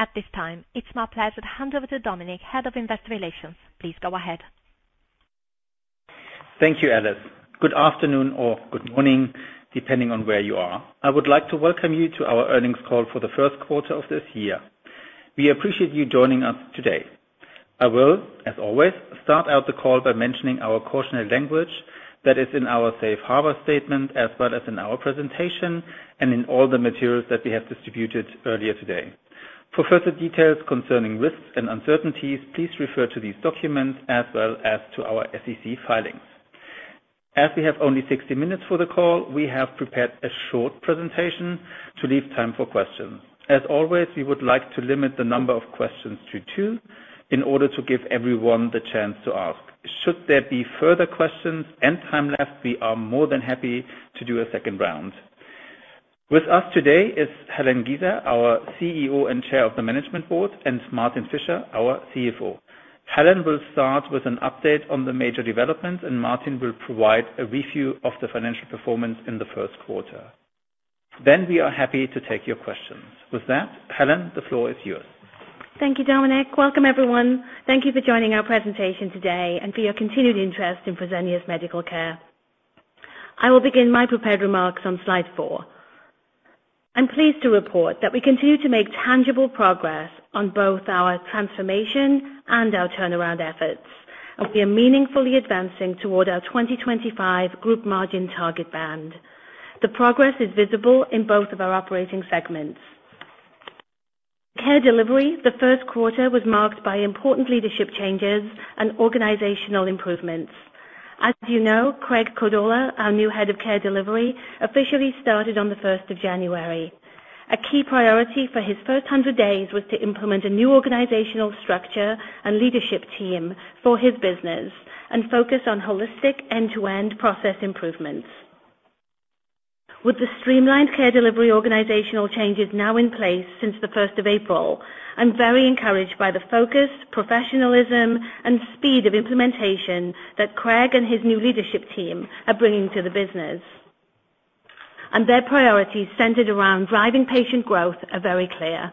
At this time, it's my pleasure to hand over to Dominik, Head of Investor Relations. Please go ahead. Thank you, Alice. Good afternoon or good morning, depending on where you are. I would like to welcome you to our earnings call for the first quarter of this year. We appreciate you joining us today. I will, as always, start out the call by mentioning our cautionary language that is in our safe harbor statement, as well as in our presentation and in all the materials that we have distributed earlier today. For further details concerning risks and uncertainties, please refer to these documents as well as to our SEC filings. As we have only 60 minutes for the call, we have prepared a short presentation to leave time for questions. As always, we would like to limit the number of questions to two in order to give everyone the chance to ask. Should there be further questions and time left, we are more than happy to do a second round. With us today is Helen Giza, our CEO and Chair of the Management Board, and Martin Fischer, our CFO. Helen will start with an update on the major developments, and Martin will provide a review of the financial performance in the first quarter. Then we are happy to take your questions. With that, Helen, the floor is yours. Thank you, Dominik. Welcome, everyone. Thank you for joining our presentation today and for your continued interest in Fresenius Medical Care. I will begin my prepared remarks on slide four. I'm pleased to report that we continue to make tangible progress on both our transformation and our turnaround efforts, and we are meaningfully advancing toward our 2025 group margin target band. The progress is visible in both of our operating segments. Care Delivery. The first quarter was marked by important leadership changes and organizational improvements. As you know, Craig Cordola, our new Head of Care Delivery, officially started on the first of January. A key priority for his first 100 days was to implement a new organizational structure and leadership team for his business and focus on holistic end-to-end process improvements. With the streamlined Care Delivery organizational changes now in place since the first of April, I'm very encouraged by the focus, professionalism, and speed of implementation that Craig and his new leadership team are bringing to the business, and their priorities centered around driving patient growth are very clear.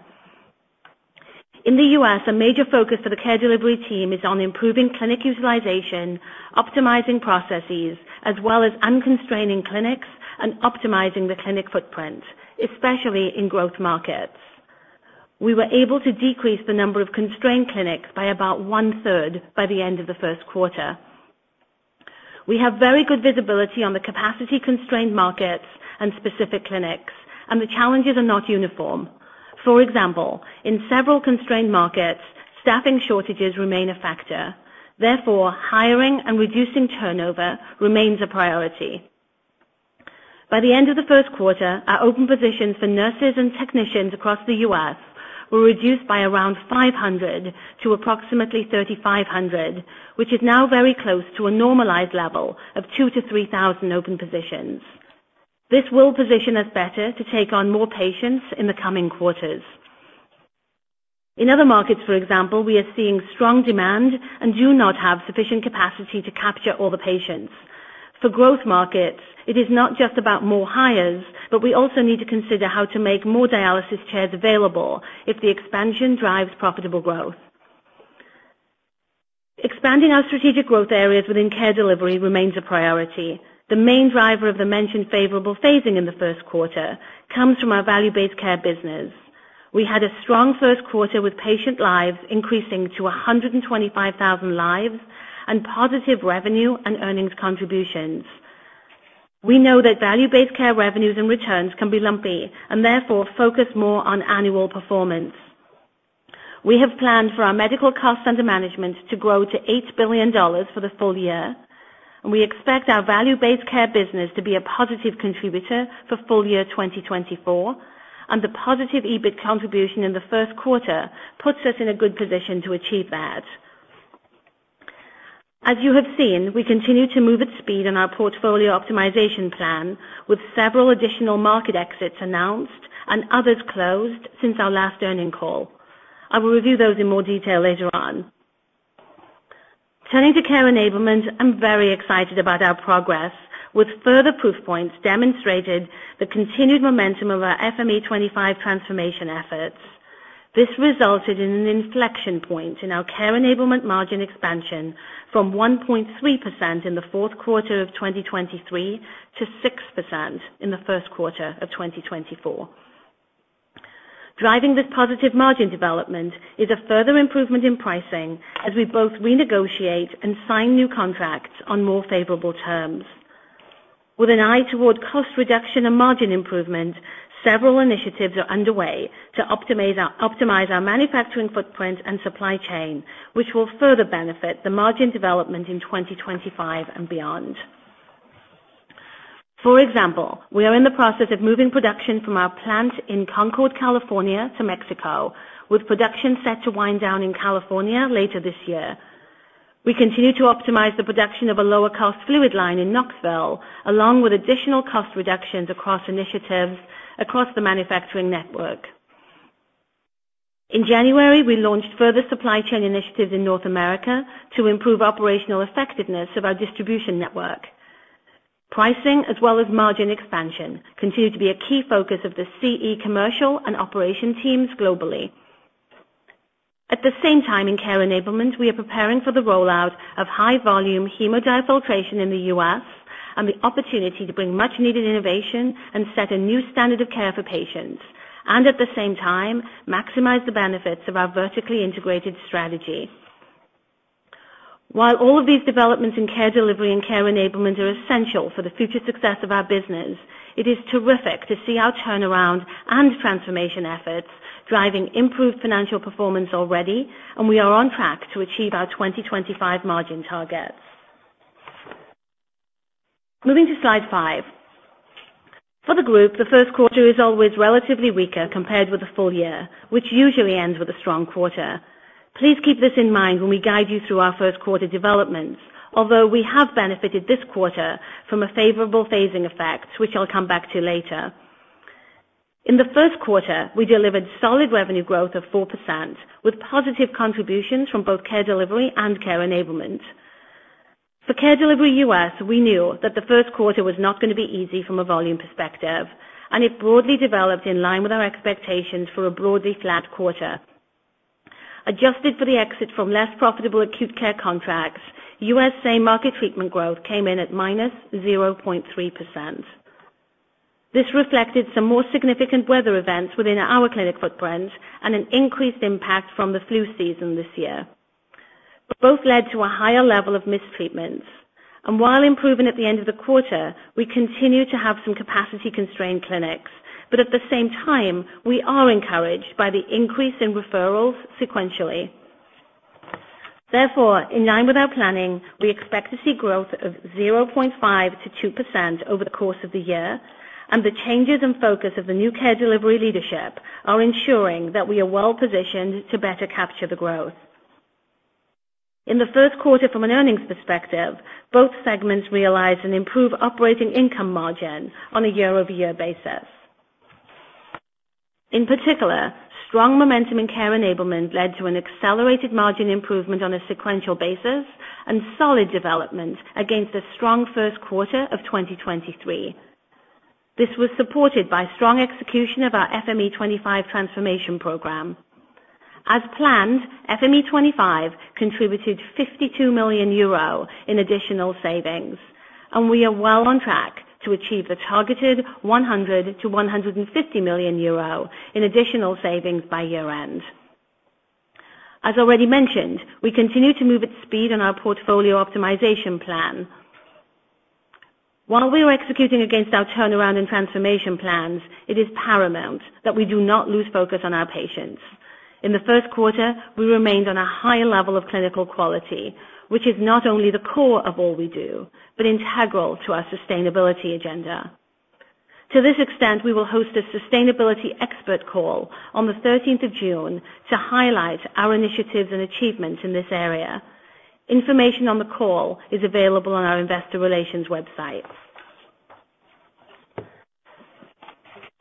In the U.S., a major focus for the Care Delivery team is on improving clinic utilization, optimizing processes, as well as unconstraining clinics and optimizing the clinic footprint, especially in growth markets. We were able to decrease the number of constrained clinics by about one-third by the end of the first quarter. We have very good visibility on the capacity-constrained markets and specific clinics, and the challenges are not uniform. For example, in several constrained markets, staffing shortages remain a factor. Therefore, hiring and reducing turnover remains a priority. By the end of the first quarter, our open positions for nurses and technicians across the U.S. were reduced by around 500 to approximately 3,500, which is now very close to a normalized level of 2,000-3,000 open positions. This will position us better to take on more patients in the coming quarters. In other markets, for example, we are seeing strong demand and do not have sufficient capacity to capture all the patients. For growth markets, it is not just about more hires, but we also need to consider how to make more dialysis chairs available if the expansion drives profitable growth. Expanding our strategic growth areas within Care Delivery remains a priority. The main driver of the mentioned favorable phasing in the first quarter comes from our value-based care business. We had a strong first quarter with patient lives increasing to 125,000 lives and positive revenue and earnings contributions. We know that value-based care revenues and returns can be lumpy and therefore focus more on annual performance. We have planned for our medical cost under management to grow to $8 billion for the full year, and we expect our value-based care business to be a positive contributor for full year 2024. And the positive EBIT contribution in the first quarter puts us in a good position to achieve that. As you have seen, we continue to move at speed on our portfolio optimization plan, with several additional market exits announced and others closed since our last earnings call. I will review those in more detail later on. Turning to Care Enablement, I'm very excited about our progress. With further proof points demonstrated the continued momentum of our FME25 transformation efforts. This resulted in an inflection point in our Care Enablement margin expansion from 1.3% in the fourth quarter of 2023 to 6% in the first quarter of 2024. Driving this positive margin development is a further improvement in pricing as we both renegotiate and sign new contracts on more favorable terms. With an eye toward cost reduction and margin improvement, several initiatives are underway to optimize our manufacturing footprint and supply chain, which will further benefit the margin development in 2025 and beyond. For example, we are in the process of moving production from our plant in Concord, California, to Mexico, with production set to wind down in California later this year. We continue to optimize the production of a lower-cost fluid line in Knoxville, along with additional cost reductions across initiatives across the manufacturing network. In January, we launched further supply chain initiatives in North America to improve operational effectiveness of our distribution network. Pricing as well as margin expansion continue to be a key focus of the CE commercial and operations teams globally. At the same time, in Care Enablement, we are preparing for the rollout of high-volume hemodiafiltration in the U.S. and the opportunity to bring much-needed innovation and set a new standard of care for patients, and at the same time, maximize the benefits of our vertically integrated strategy. While all of these developments in Care Delivery and Care Enablement are essential for the future success of our business, it is terrific to see our turnaround and transformation efforts driving improved financial performance already, and we are on track to achieve our 2025 margin targets. Moving to slide five. For the group, the first quarter is always relatively weaker compared with the full year, which usually ends with a strong quarter. Please keep this in mind when we guide you through our first quarter developments, although we have benefited this quarter from a favorable phasing effect, which I'll come back to later. In the first quarter, we delivered solid revenue growth of 4%, with positive contributions from both Care Delivery and Care Enablement. For Care Delivery U.S., we knew that the first quarter was not going to be easy from a volume perspective, and it broadly developed in line with our expectations for a broadly flat quarter. Adjusted for the exit from less profitable acute care contracts, U.S. same market treatment growth came in at -0.3%. This reflected some more significant weather events within our clinic footprint and an increased impact from the flu season this year. Both led to a higher level of missed treatments, and while improving at the end of the quarter, we continue to have some capacity-constrained clinics, but at the same time, we are encouraged by the increase in referrals sequentially. Therefore, in line with our planning, we expect to see growth of 0.5%-2% over the course of the year, and the changes in focus of the new Care Delivery leadership are ensuring that we are well positioned to better capture the growth. In the first quarter from an earnings perspective, both segments realized an improved operating income margin on a year-over-year basis. In particular, strong momentum in Care Enablement led to an accelerated margin improvement on a sequential basis and solid development against a strong first quarter of 2023. This was supported by strong execution of our FME25 transformation program. As planned, FME25 contributed 52 million euro in additional savings, and we are well on track to achieve the targeted 100 million-150 million euro in additional savings by year-end. As already mentioned, we continue to move at speed on our portfolio optimization plan. While we are executing against our turnaround and transformation plans, it is paramount that we do not lose focus on our patients. In the first quarter, we remained on a high level of clinical quality, which is not only the core of all we do, but integral to our sustainability agenda. To this extent, we will host a sustainability expert call on the thirteenth of June to highlight our initiatives and achievements in this area. Information on the call is available on our investor relations website.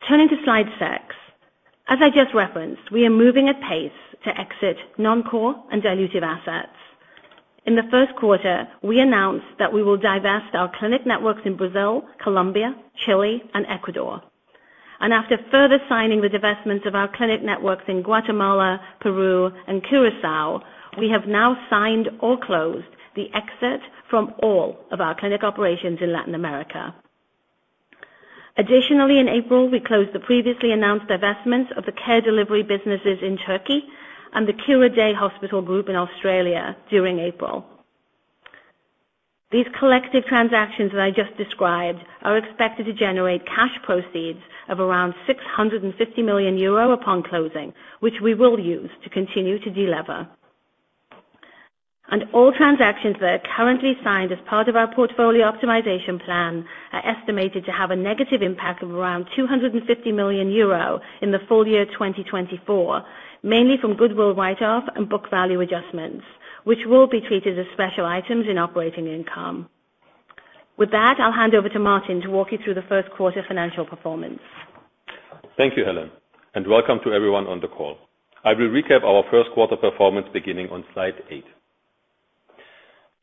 Turning to slide six. As I just referenced, we are moving at pace to exit non-core and dilutive assets. In the first quarter, we announced that we will divest our clinic networks in Brazil, Colombia, Chile, and Ecuador. After further signing the divestment of our clinic networks in Guatemala, Peru, and Curaçao, we have now signed or closed the exit from all of our clinic operations in Latin America. Additionally, in April, we closed the previously announced divestment of the Care Delivery businesses in Turkey and the Cura Day Hospitals Group in Australia during April. These collective transactions that I just described are expected to generate cash proceeds of around 650 million euro upon closing, which we will use to continue to deliver. All transactions that are currently signed as part of our portfolio optimization plan are estimated to have a negative impact of around 250 million euro in the full year 2024, mainly from goodwill write-off and book value adjustments, which will be treated as special items in operating income. With that, I'll hand over to Martin to walk you through the first quarter financial performance. Thank you, Helen, and welcome to everyone on the call. I will recap our first quarter performance beginning on slide eight.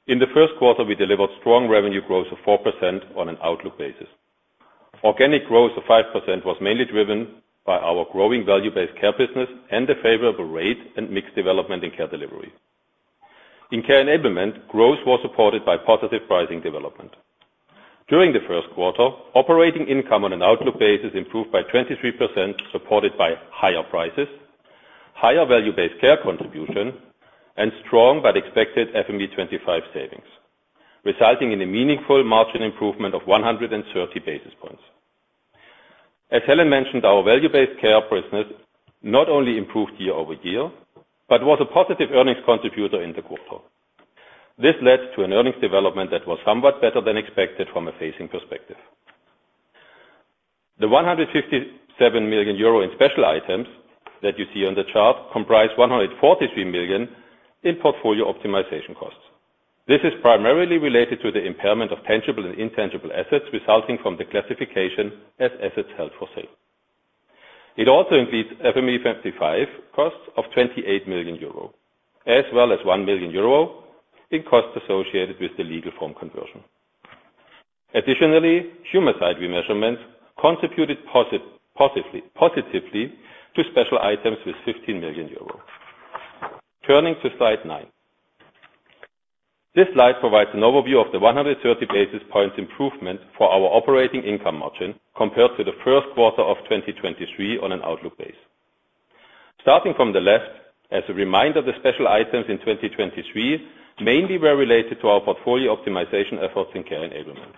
In the first quarter, we delivered strong revenue growth of 4% on an outlook basis. Organic growth of 5% was mainly driven by our growing Value-Based Care business and the favorable rate and mix development in Care Delivery. In Care Enablement, growth was supported by positive pricing development. During the first quarter, operating income on an outlook basis improved by 23%, supported by higher prices, higher Value-Based Care contribution, and strong but expected FME25 savings, resulting in a meaningful margin improvement of 130 basis points. As Helen mentioned, our Value-Based Care business not only improved year-over-year, but was a positive earnings contributor in the quarter. This led to an earnings development that was somewhat better than expected from a phasing perspective. The 157 million euro in special items that you see on the chart comprise 143 million in portfolio optimization costs. This is primarily related to the impairment of tangible and intangible assets resulting from the classification as assets held for sale. It also includes FME25 costs of 28 million euro, as well as 1 million euro in costs associated with the legal form conversion. Additionally, Humacyte remeasurements contributed positively to special items with 15 million euros. Turning to slide nine. This slide provides an overview of the 130 basis points improvement for our operating income margin compared to the first quarter of 2023 on an outlook base. Starting from the left, as a reminder, the special items in 2023 mainly were related to our portfolio optimization efforts in Care Enablement.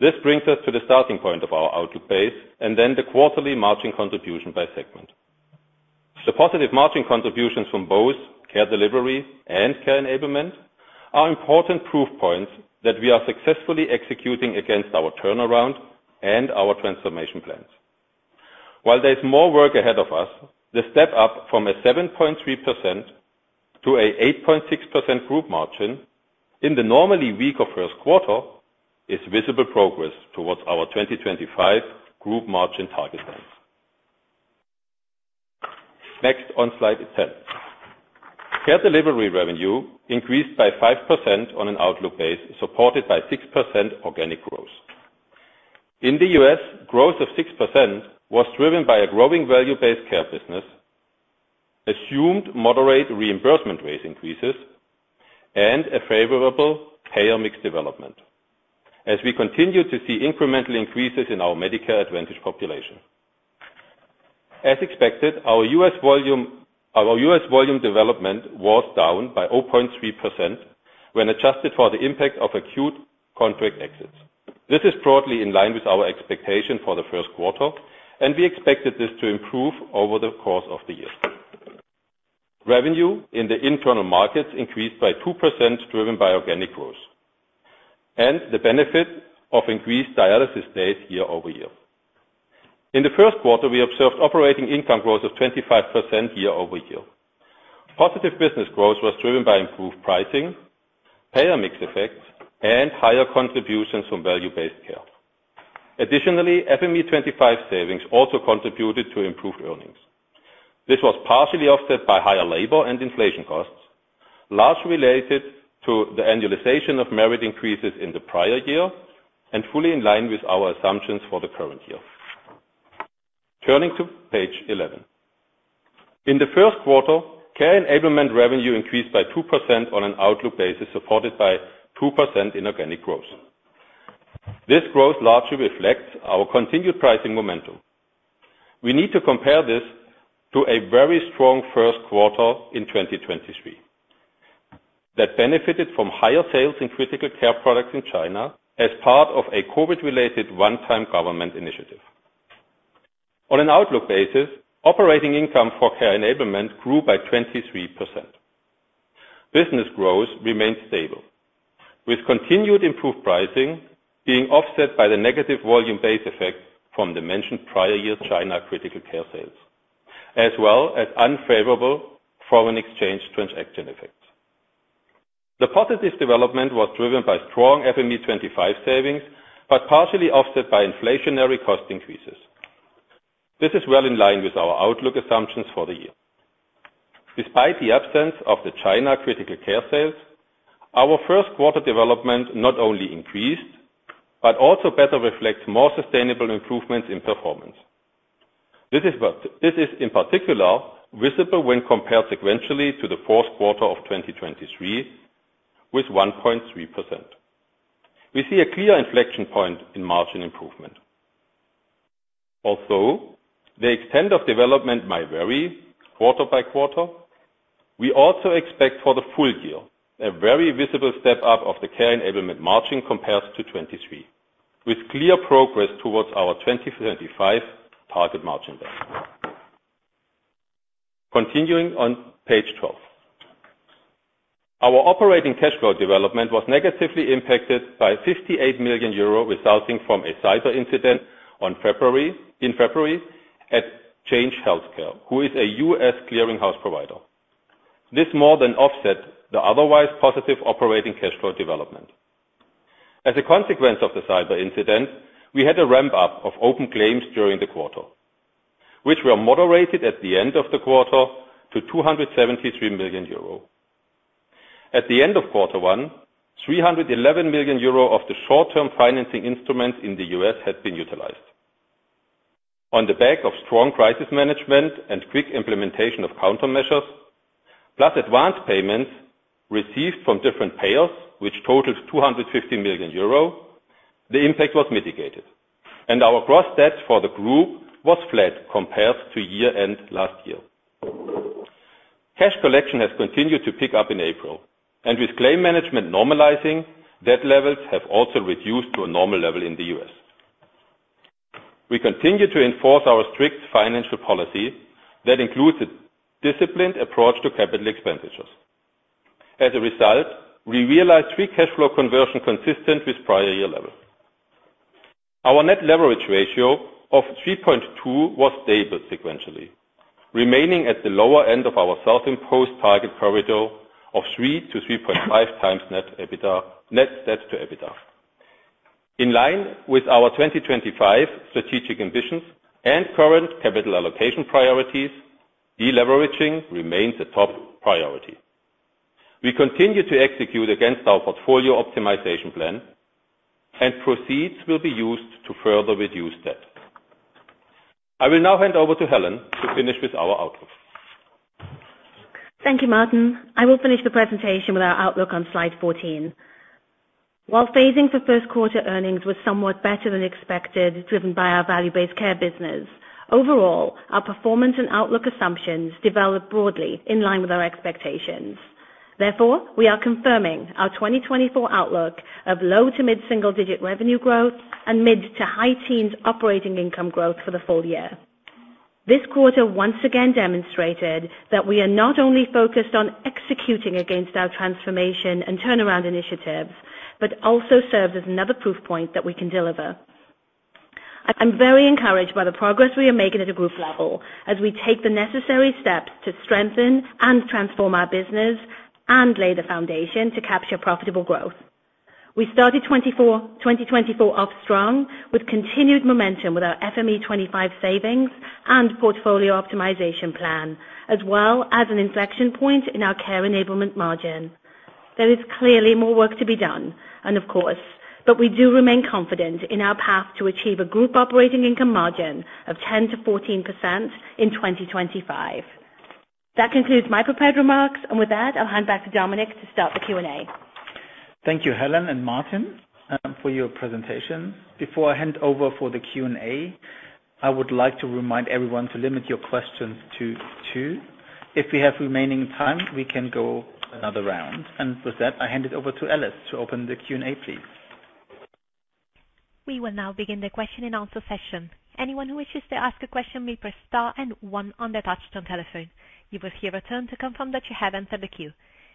This brings us to the starting point of our outlook base, and then the quarterly margin contribution by segment. The positive margin contributions from both Care Delivery and Care Enablement are important proof points that we are successfully executing against our turnaround and our transformation plans. While there is more work ahead of us, the step up from a 7.3% to a 8.6% group margin in the normally weaker first quarter is visible progress towards our 2025 group margin target range. Next, on slide 10. Care Delivery revenue increased by 5% on an outlook base, supported by 6% organic growth. In the U.S., growth of 6% was driven by a growing Value-Based Care business, assumed moderate reimbursement rate increases, and a favorable payer mix development, as we continue to see incremental increases in our Medicare Advantage population. As expected, our U.S. volume development was down by 0.3% when adjusted for the impact of acute contract exits. This is broadly in line with our expectation for the first quarter, and we expected this to improve over the course of the year. Revenue in the international markets increased by 2%, driven by organic growth and the benefit of increased dialysis days year-over-year. In the first quarter, we observed operating income growth of 25% year-over-year. Positive business growth was driven by improved pricing, payer mix effects, and higher contributions from Value-Based Care. Additionally, FME25 savings also contributed to improved earnings. This was partially offset by higher labor and inflation costs, largely related to the annualization of merit increases in the prior year, and fully in line with our assumptions for the current year. Turning to page 11. In the first quarter, Care Enablement revenue increased by 2% on an outlook basis, supported by 2% in organic growth. This growth largely reflects our continued pricing momentum. We need to compare this to a very strong first quarter in 2023, that benefited from higher sales in critical care products in China as part of a COVID-related one-time government initiative. On an outlook basis, operating income for Care Enablement grew by 23%. Business growth remained stable, with continued improved pricing being offset by the negative volume-based effect from the mentioned prior year China critical care sales, as well as unfavorable foreign exchange transaction effects. The positive development was driven by strong FME25 savings, but partially offset by inflationary cost increases. This is well in line with our outlook assumptions for the year. Despite the absence of the China critical care sales, our first quarter development not only increased, but also better reflects more sustainable improvements in performance. This is in particular visible when compared sequentially to the fourth quarter of 2023, with 1.3%. We see a clear inflection point in margin improvement. Although the extent of development might vary quarter by quarter, we also expect for the full year, a very visible step up of the Care Enablement margin compared to 2023, with clear progress towards our 2025 target margin then. Continuing on page 12. Our operating cash flow development was negatively impacted by 58 million euro, resulting from a cyber incident in February at Change Healthcare, who is a U.S. clearinghouse provider. This more than offset the otherwise positive operating cash flow development. As a consequence of the cyber incident, we had a ramp up of open claims during the quarter, which were moderated at the end of the quarter to 273 million euro. At the end of quarter one, 311 million euro of the short-term financing instruments in the U.S. had been utilized. On the back of strong crisis management and quick implementation of countermeasures, plus advanced payments received from different payers, which totaled 250 million euro, the impact was mitigated, and our gross debt for the group was flat compared to year-end last year. Cash collection has continued to pick up in April, and with claim management normalizing, debt levels have also reduced to a normal level in the U.S. We continue to enforce our strict financial policy that includes a disciplined approach to capital expenditures. As a result, we realized free cash flow conversion consistent with prior year level. Our net leverage ratio of 3.2 was stable sequentially, remaining at the lower end of our self-imposed target corridor of 3-3.5 times net EBITDA, net debt to EBITDA. In line with our 2025 strategic ambitions and current capital allocation priorities, deleveraging remains a top priority. We continue to execute against our portfolio optimization plan, and proceeds will be used to further reduce debt. I will now hand over to Helen to finish with our outlook. Thank you, Martin. I will finish the presentation with our outlook on slide 14. While phasing for first quarter earnings was somewhat better than expected, driven by our value-based care business, overall, our performance and outlook assumptions developed broadly in line with our expectations. Therefore, we are confirming our 2024 outlook of low- to mid-single-digit revenue growth and mid- to high-teens operating income growth for the full year. This quarter once again demonstrated that we are not only focused on executing against our transformation and turnaround initiatives, but also serves as another proof point that we can deliver. I'm very encouraged by the progress we are making at a group level as we take the necessary steps to strengthen and transform our business and lay the foundation to capture profitable growth. We started 2024 off strong, with continued momentum with our FME25 savings and portfolio optimization plan, as well as an inflection point in our Care Enablement margin. There is clearly more work to be done, and of course, but we do remain confident in our path to achieve a group operating income margin of 10%-14% in 2025. That concludes my prepared remarks, and with that, I'll hand back to Dominik to start the Q&A. Thank you, Helen and Martin, for your presentation. Before I hand over for the Q&A, I would like to remind everyone to limit your questions to two. If we have remaining time, we can go another round. With that, I hand it over to Alice to open the Q&A, please. We will now begin the question-and-answer session. Anyone who wishes to ask a question, may press star and one on the touch tone telephone. You will hear a tone to confirm that you have entered the queue.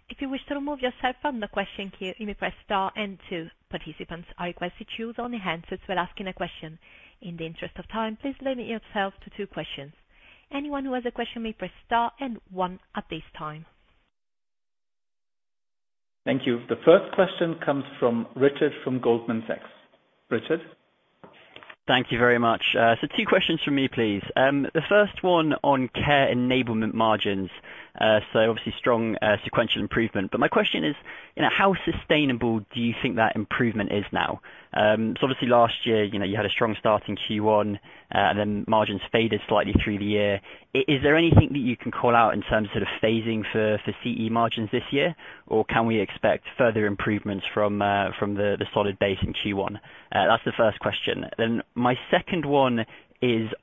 If you wish to remove yourself from the question queue, you may press star and two. Participants are requested to use only hands while asking a question. In the interest of time, please limit yourself to two questions. Anyone who has a question may press star and one at this time. Thank you. The first question comes from Richard, from Goldman Sachs. Richard? Thank you very much. So two questions from me, please. The first one on Care Enablement margins. So obviously strong sequential improvement. But my question is, you know, how sustainable do you think that improvement is now? So obviously last year, you know, you had a strong start in Q1, and then margins faded slightly through the year. Is there anything that you can call out in terms of sort of phasing for CE margins this year? Or can we expect further improvements from the solid base in Q1? That's the first question. Then my second one is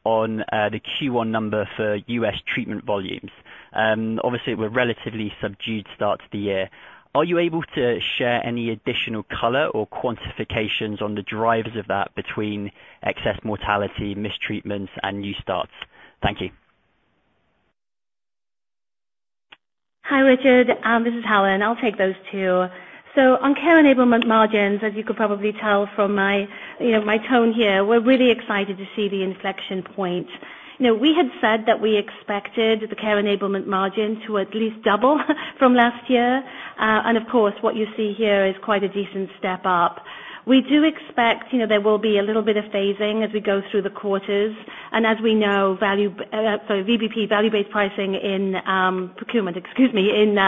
on the Q1 number for U.S. treatment volumes. Obviously, we're relatively subdued start to the year. Are you able to share any additional color or quantifications on the drivers of that between excess mortality, missed treatments, and new starts? Thank you. Hi, Richard. This is Helen. I'll take those two. So on Care Enablement margins, as you could probably tell from my, you know, my tone here, we're really excited to see the inflection point. You know, we had said that we expected the Care Enablement margin to at least double from last year. And of course, what you see here is quite a decent step up. We do expect, you know, there will be a little bit of phasing as we go through the quarters. And as we know, value, so VBP, value-based pricing in, procurement, excuse me, in,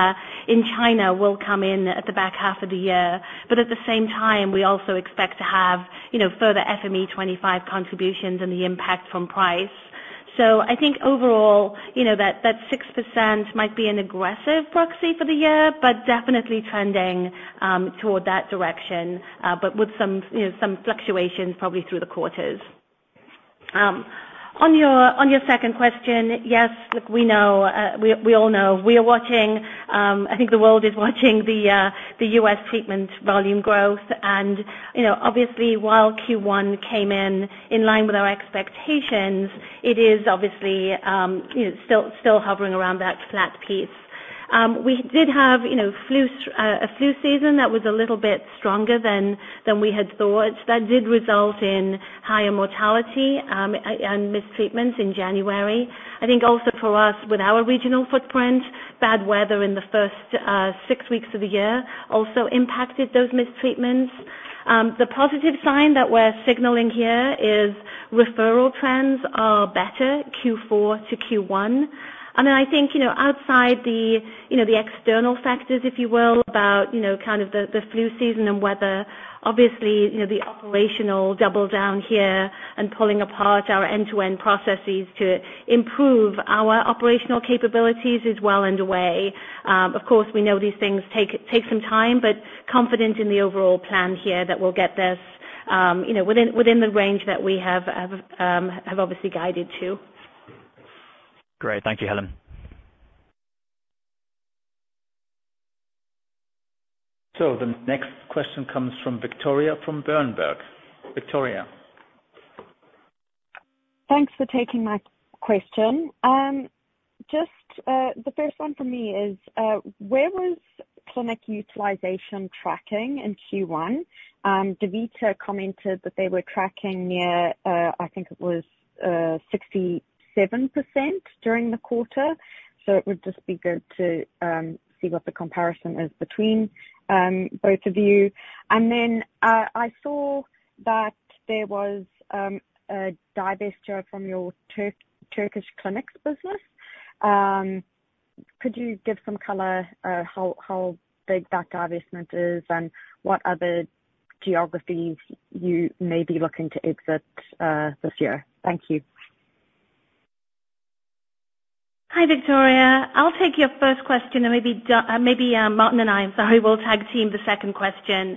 in China, will come in at the back half of the year. But at the same time, we also expect to have, you know, further FME25 contributions and the impact from price. So I think overall, you know, that 6% might be an aggressive proxy for the year, but definitely trending toward that direction, but with some, you know, some fluctuations probably through the quarters. On your second question, yes, look, we know, we all know. We are watching, I think the world is watching the U.S. treatment volume growth. And, you know, obviously, while Q1 came in in line with our expectations, it is obviously, you know, still hovering around that flat-ish. We did have, you know, a flu season that was a little bit stronger than we had thought. That did result in higher mortality and missed treatments in January. I think also for us, with our regional footprint, bad weather in the first six weeks of the year also impacted those missed treatments. The positive sign that we're signaling here is referral trends are better Q4 to Q1. And then I think, you know, outside the, you know, the external factors, if you will, about, you know, kind of the flu season and weather, obviously, you know, the operational double down here and pulling apart our end-to-end processes to improve our operational capabilities is well underway. Of course, we know these things take some time, but confident in the overall plan here that we'll get this within the range that we have obviously guided to. Great. Thank you, Helen. The next question comes from Victoria, from Berenberg. Victoria? Thanks for taking my question. Just, the first one for me is, where was clinic utilization tracking in Q1? DaVita commented that they were tracking near, I think it was, 67% during the quarter. So it would just be good to, see what the comparison is between, both of you. And then, I saw that there was, a divestiture from your Turkish clinics business. Could you give some color, how big that divestment is and what other geographies you may be looking to exit, this year? Thank you. Hi, Victoria. I'll take your first question and maybe Martin and I, sorry, will tag team the second question.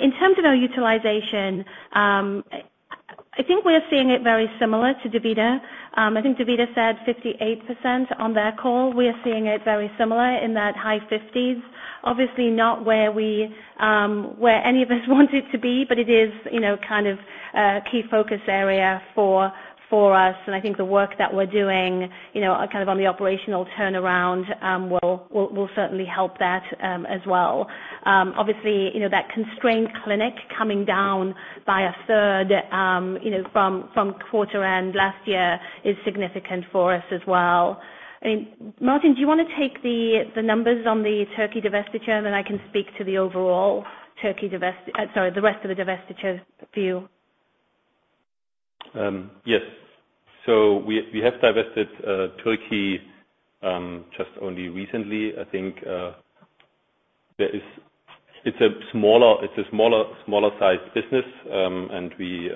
In terms of our utilization, I think we're seeing it very similar to DaVita. I think DaVita said 58% on their call. We are seeing it very similar in that high 50s. Obviously not where we want it to be, but it is, you know, kind of a key focus area for us. And I think the work that we're doing, you know, kind of on the operational turnaround, will certainly help that, as well. Obviously, you know, that constrained clinic coming down by a third, you know, from quarter end last year is significant for us as well. I mean, Martin, do you wanna take the numbers on the Turkey divestiture? And then I can speak to the overall Turkey divestiture, the rest of the divestiture for you. Yes. So we have divested Turkey just only recently. I think there is, it's a smaller, smaller-sized business, and we.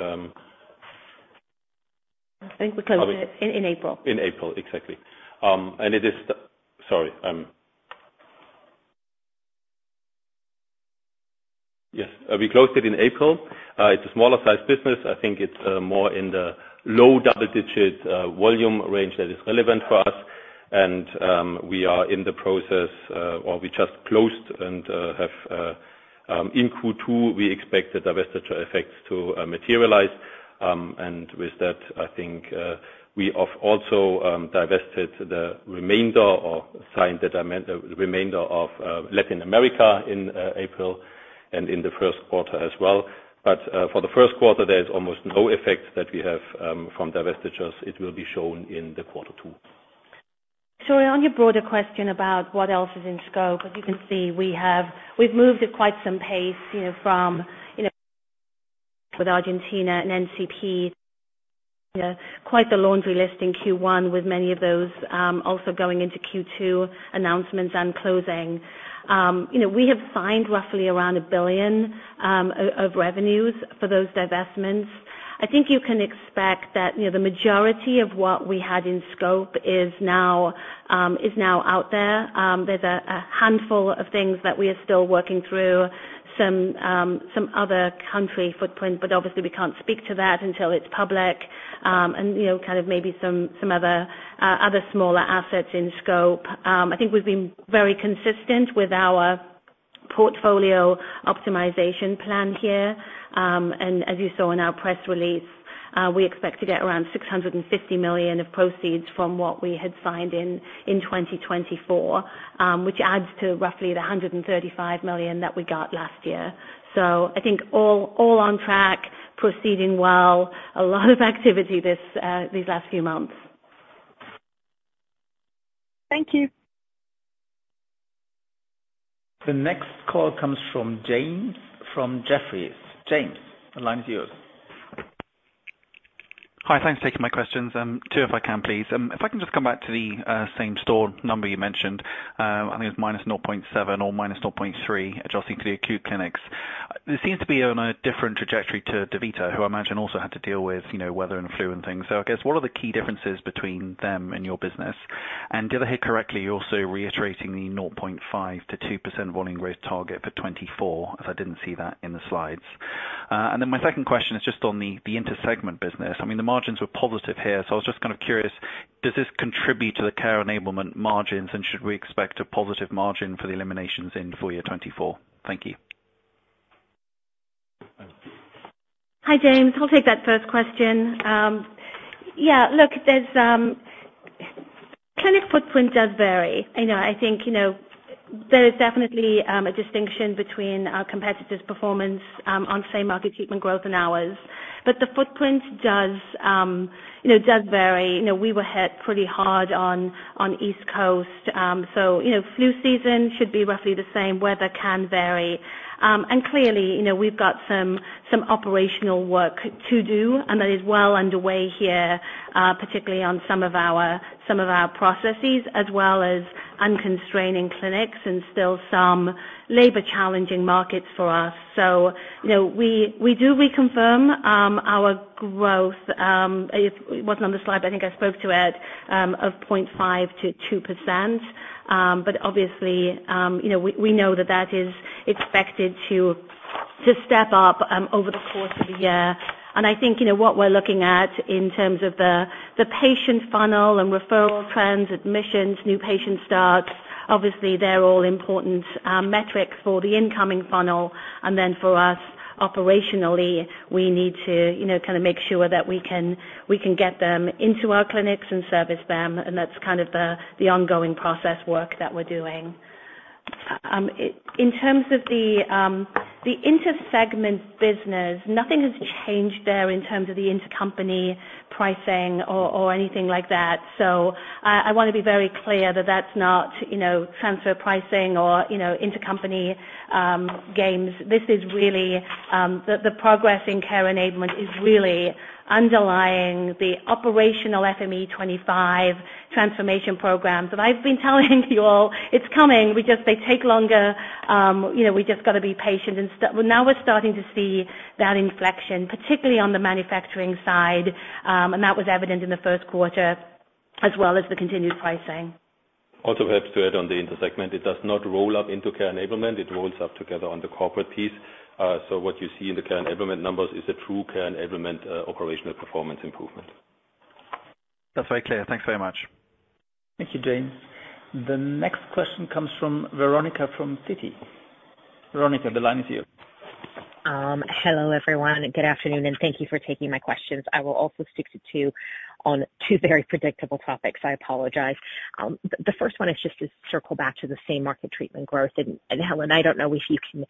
I think we closed it in April. In April, exactly. We closed it in April. It's a smaller-sized business. I think it's more in the low double digit volume range that is relevant for us. And we are in the process or we just closed and have in Q2, we expect the divestiture effects to materialize. And with that, I think we have also divested the remainder or signed the remainder of Latin America in April and in the first quarter as well. But for the first quarter, there is almost no effect that we have from divestitures. It will be shown in quarter two. So on your broader question about what else is in scope, as you can see, we have—we've moved at quite some pace, you know, from, you know, with Argentina and NCP, quite the laundry list in Q1 with many of those also going into Q2 announcements and closing. You know, we have signed roughly around 1 billion of revenues for those divestments. I think you can expect that, you know, the majority of what we had in scope is now, is now out there. There's a handful of things that we are still working through some other country footprint, but obviously we can't speak to that until it's public. And, you know, kind of maybe some other smaller assets in scope. I think we've been very consistent with our portfolio optimization plan here. And as you saw in our press release, we expect to get around 650 million of proceeds from what we had signed in, in 2024, which adds to roughly the 135 million that we got last year. So I think all, all on track, proceeding well, a lot of activity this, these last few months. Thank you. The next call comes from James, from Jefferies. James, the line is yours. Hi, thanks for taking my questions. Two, if I can, please. If I can just come back to the same store number you mentioned. I think it was -0.7 or -0.3, adjusting to the acute clinics. This seems to be on a different trajectory to DaVita, who I imagine also had to deal with, you know, weather and flu and things. So I guess, what are the key differences between them and your business? And did I hear correctly, you're also reiterating the 0.5%-2% volume growth target for 2024? As I didn't see that in the slides. And then my second question is just on the intersegment business. I mean, the margins were positive here, so I was just kind of curious, does this contribute to the Care Enablement margins? Should we expect a positive margin for the eliminations in full year 2024? Thank you. Hi, James. I'll take that first question. Yeah, look, there's. Clinic footprint does vary. You know, I think, you know, there is definitely a distinction between our competitors' performance on same-market treatment growth and ours. But the footprint does, you know, does vary. You know, we were hit pretty hard on East Coast. So, you know, flu season should be roughly the same. Weather can vary. And clearly, you know, we've got some operational work to do, and that is well underway here, particularly on some of our processes, as well as unconstraining clinics and still some labor challenging markets for us. So, you know, we do reconfirm our growth. It wasn't on the slide, but I think I spoke to it of 0.5%-2%. But obviously, you know, we, we know that that is expected to, to step up over the course of the year. And I think, you know, what we're looking at in terms of the, the patient funnel and referral trends, admissions, new patient starts, obviously, they're all important metrics for the incoming funnel. And then for us, operationally, we need to, you know, kind of make sure that we can, we can get them into our clinics and service them, and that's kind of the, the ongoing process work that we're doing. In terms of the, the intersegment business, nothing has changed there in terms of the intercompany pricing or, or anything like that. So I, I wanna be very clear that that's not, you know, transfer pricing or, you know, intercompany, gains. This is really the progress in Care Enablement is really underlying the operational FME25 transformation program that I've been telling you all, it's coming. We just they take longer, you know, we just gotta be patient and well, now we're starting to see that inflection, particularly on the manufacturing side, and that was evident in the first quarter, as well as the continued pricing. Also perhaps to add on the intersegment, it does not roll up into Care Enablement. It rolls up together on the corporate piece. So what you see in the Care Enablement numbers is a true Care Enablement operational performance improvement. That's very clear. Thanks very much. Thank you, James. The next question comes from Veronika, from Citi. Veronika, the line is yours. Hello, everyone. Good afternoon, and thank you for taking my questions. I will also stick to two on two very predictable topics. I apologize. The first one is just to circle back to the same market treatment growth. And Helen, I don't know if you can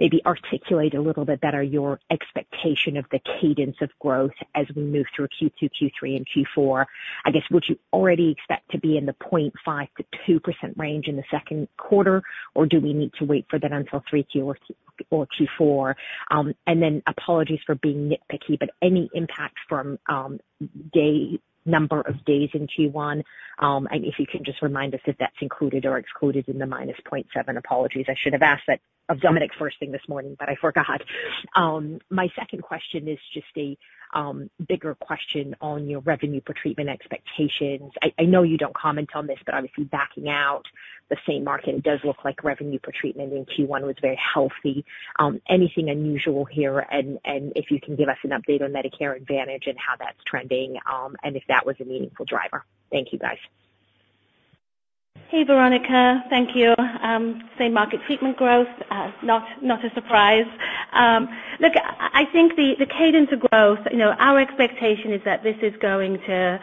maybe articulate a little bit better your expectation of the cadence of growth as we move through Q2, Q3, and Q4. I guess, would you already expect to be in the 0.5%-2% range in the second quarter, or do we need to wait for that until Q3 or Q4? And then apologies for being nitpicky, but any impact from number of days in Q1? And if you can just remind us if that's included or excluded in the -0.7. Apologies, I should have asked that of Dominik first thing this morning, but I forgot. My second question is just a bigger question on your revenue per treatment expectations. I know you don't comment on this, but obviously backing out the same market, it does look like revenue per treatment in Q1 was very healthy. Anything unusual here? And if you can give us an update on Medicare Advantage and how that's trending, and if that was a meaningful driver. Thank you, guys. Hey, Veronika. Thank you. Same market treatment growth, not a surprise. Look, I think the cadence of growth, you know, our expectation is that this is going to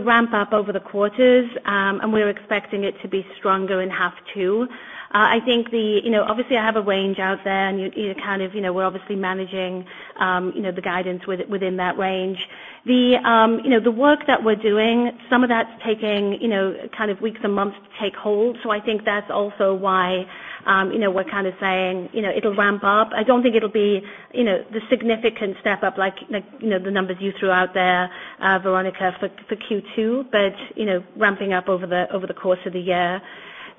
ramp up over the quarters, and we're expecting it to be stronger in half two. I think the—you know, obviously I have a range out there, and you know, kind of, you know, we're obviously managing, you know, the guidance within that range. You know, the work that we're doing, some of that's taking, you know, kind of weeks and months to take hold. So I think that's also why, you know, we're kind of saying, you know, it'll ramp up. I don't think it'll be, you know, the significant step up like, like, you know, the numbers you threw out there, Veronika, for, for Q2, but, you know, ramping up over the, over the course of the year.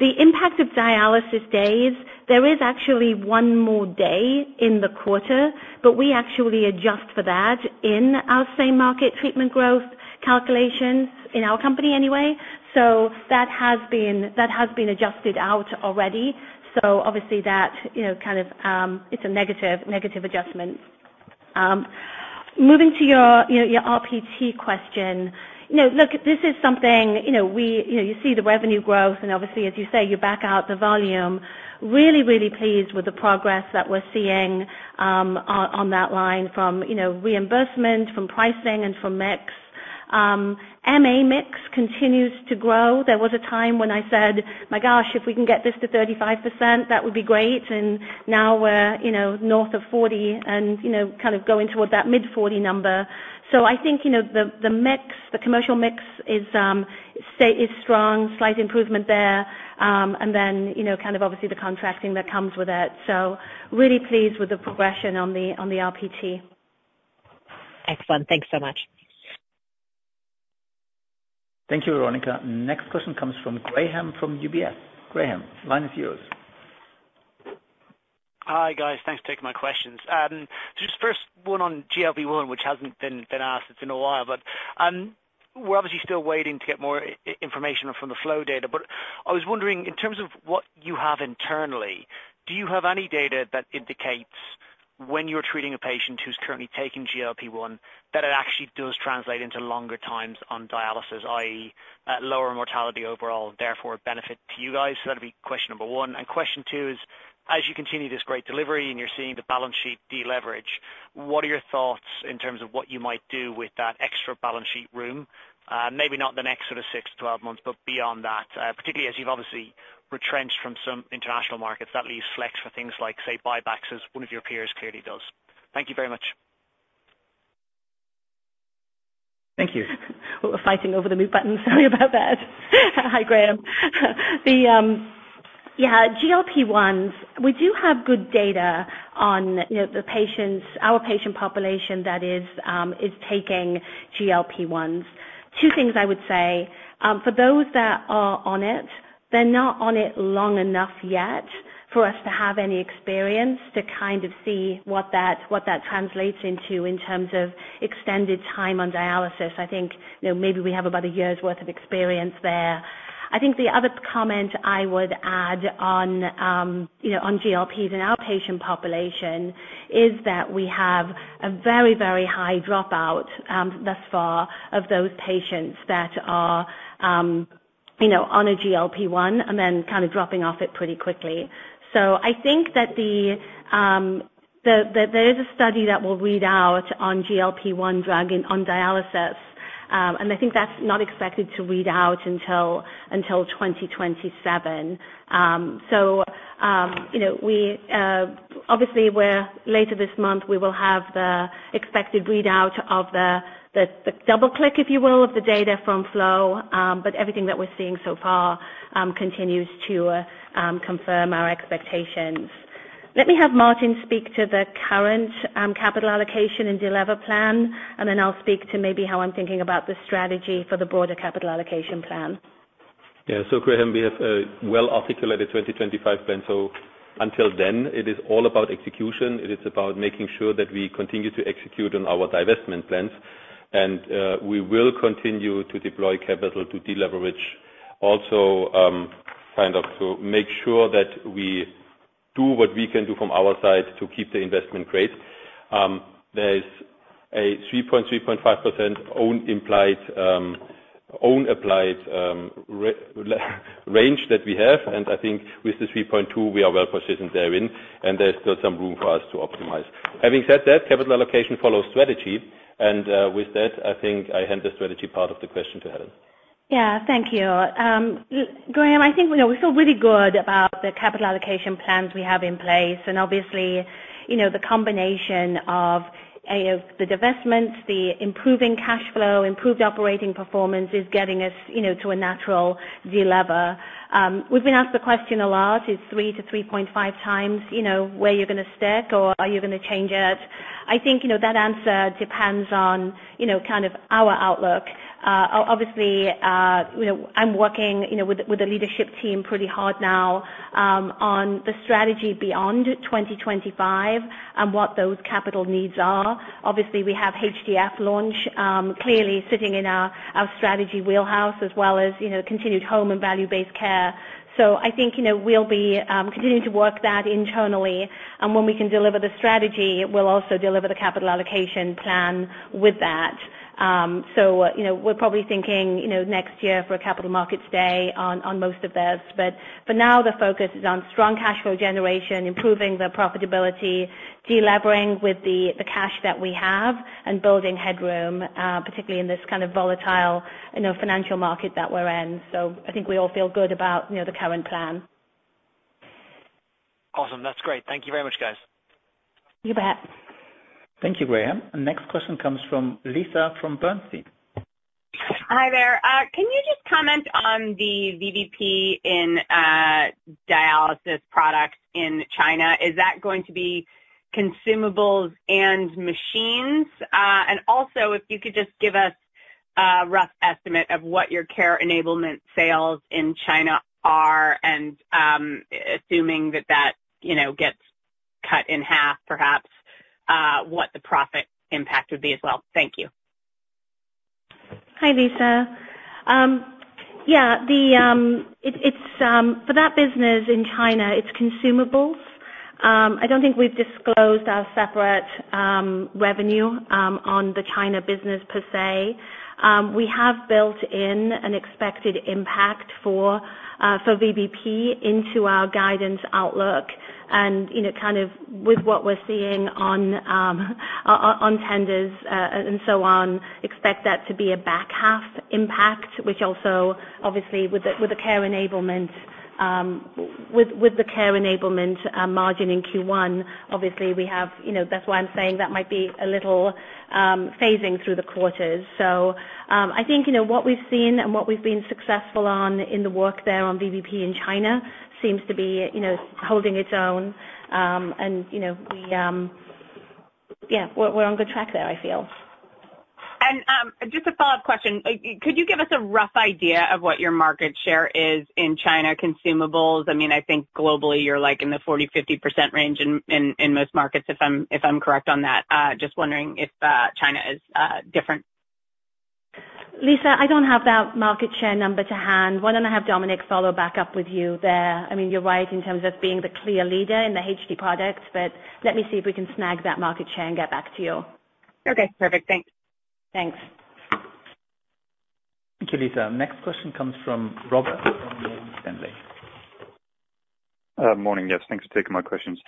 The impact of dialysis days, there is actually one more day in the quarter, but we actually adjust for that in our same market treatment growth calculations in our company anyway. So that has been, that has been adjusted out already. So obviously that, you know, kind of, it's a negative, negative adjustment. Moving to your, you know, your RPT question. You know, look, this is something, you know, we. You know, you see the revenue growth, and obviously, as you say, you back out the volume. Really, really pleased with the progress that we're seeing on that line from, you know, reimbursement, from pricing, and from mix. MA mix continues to grow. There was a time when I said: "My gosh, if we can get this to 35%, that would be great." And now we're, you know, north of 40 and, you know, kind of going toward that mid-40 number. So I think, you know, the, the mix, the commercial mix is strong, slight improvement there. And then, you know, kind of obviously the contracting that comes with it. So really pleased with the progression on the RPT. Excellent. Thanks so much. Thank you, Veronika. Next question comes from Graham, from UBS. Graham, the line is yours. Hi, guys. Thanks for taking my questions. Just first, one on GLP-1, which hasn't been asked in a while, but we're obviously still waiting to get more information from the FLOW data. But I was wondering, in terms of what you have internally, do you have any data that indicates when you're treating a patient who's currently taking GLP-1, that it actually does translate into longer times on dialysis, i.e., lower mortality overall, therefore a benefit to you guys? So that'll be question number one. And question two is, as you continue this great delivery and you're seeing the balance sheet deleverage, what are your thoughts in terms of what you might do with that extra balance sheet room? Maybe not the next sort of 6-12 months, but beyond that, particularly as you've obviously retrenched from some international markets, that leaves flex for things like, say, buybacks, as one of your peers clearly does. Thank you very much. Thank you. We're fighting over the mute button. Sorry about that. Hi, Graham. The, yeah, GLP-1, we do have good data on, you know, the patients, our patient population that is, is taking GLP-1s. Two things I would say. For those that are on it, they're not on it long enough yet for us to have any experience to kind of see what that, what that translates into in terms of extended time on dialysis. I think, you know, maybe we have about a year's worth of experience there. I think the other comment I would add on, you know, on GLPs in our patient population is that we have a very, very high dropout, thus far of those patients that are, you know, on a GLP-1, and then kind of dropping off it pretty quickly. So I think that there is a study that will read out on GLP-1 drug in on dialysis, and I think that's not expected to read out until 2027. So, you know, we obviously we're later this month, we will have the expected readout of the double click, if you will, of the data from FLOW. But everything that we're seeing so far continues to confirm our expectations. Let me have Martin speak to the current capital allocation and delever plan, and then I'll speak to maybe how I'm thinking about the strategy for the broader capital allocation plan. Yeah. So Graham, we have a well-articulated 2025 plan, so until then, it is all about execution. It is about making sure that we continue to execute on our divestment plans. And we will continue to deploy capital to deleverage, also, kind of to make sure that we do what we can do from our side to keep the investment grade. There is a 3.3%-3.5% on implied, on applied range that we have, and I think with the 3.2, we are well positioned therein, and there's still some room for us to optimize. Having said that, capital allocation follows strategy, and with that, I think I hand the strategy part of the question to Helen. Yeah. Thank you. Graham, I think, you know, we feel really good about the capital allocation plans we have in place, and obviously, you know, the combination of the divestment, the improving cash flow, improved operating performance is getting us, you know, to a natural delever. We've been asked the question a lot, is 3-3.5 times, you know, where you're gonna stick, or are you gonna change it? I think, you know, that answer depends on, you know, kind of our outlook. Obviously, you know, I'm working, you know, with the leadership team pretty hard now, on the strategy beyond 2025 and what those capital needs are. Obviously, we have HDF launch, clearly sitting in our strategy wheelhouse, as well as, you know, continued home and value-based care. So I think, you know, we'll be continuing to work that internally, and when we can deliver the strategy, we'll also deliver the capital allocation plan with that. So, you know, we're probably thinking, you know, next year for a capital markets day on most of this. But for now, the focus is on strong cashflow generation, improving the profitability, delevering with the cash that we have, and building headroom, particularly in this kind of volatile, you know, financial market that we're in. So I think we all feel good about, you know, the current plan. Awesome. That's great. Thank you very much, guys. You bet. Thank you, Graham. The next question comes from Lisa from Bernstein. Hi, there. Can you just comment on the VBP in dialysis products in China? Is that going to be consumables and machines? And also, if you could just give us a rough estimate of what your Care Enablement sales in China are, and assuming that that, you know, gets cut in half, perhaps, what the profit impact would be as well. Thank you. Hi, Lisa. Yeah, it's. For that business in China, it's consumables. I don't think we've disclosed our separate revenue on the China business, per se. We have built in an expected impact for VBP into our guidance outlook, and, you know, kind of with what we're seeing on tenders, and so on, expect that to be a back half impact, which also, obviously, with the Care Enablement margin in Q1, obviously we have. You know, that's why I'm saying that might be a little phasing through the quarters. So, I think, you know, what we've seen and what we've been successful on in the work there on VBP in China seems to be, you know, holding its own. You know, yeah, we're on good track there, I feel. Just a follow-up question. Could you give us a rough idea of what your market share is in China consumables? I mean, I think globally you're, like, in the 40%-50% range in most markets, if I'm, if I'm correct on that. Just wondering if China is different. Lisa, I don't have that market share number to hand. Why don't I have Dominik follow back up with you there? I mean, you're right in terms of being the clear leader in the HD products, but let me see if we can snag that market share and get back to you. Okay, perfect. Thanks. Thanks. Thank you, Lisa. Next question comes from Robert from Morgan Stanley. Morning, yes. Thanks for taking my questions.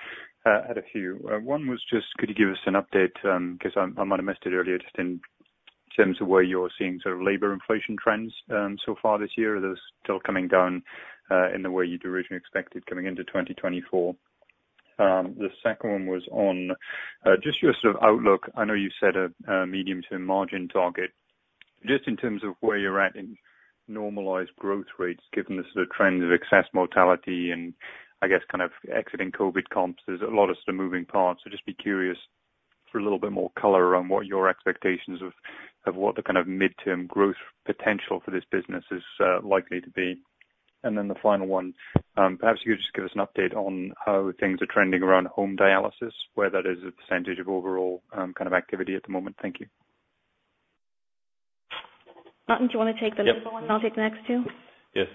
I had a few. One was just, could you give us an update, because I might have missed it earlier, just in terms of where you're seeing sort of labor inflation trends, so far this year? Are those still coming down, in the way you'd originally expected coming into 2024? The second one was on, just your sort of outlook. I know you set a medium to margin target. Just in terms of where you're at in normalized growth rates, given the sort of trends of excess mortality and, I guess, kind of exiting COVID comps, there's a lot of sort of moving parts. So just be curious for a little bit more color around what your expectations of, of what the kind of mid-term growth potential for this business is, likely to be. And then the final one, perhaps you could just give us an update on how things are trending around home dialysis, where that is a percentage of overall, kind of activity at the moment. Thank you. Martin, do you want to take the first one? Yep. I'll take the next two. Yes.